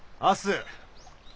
明日。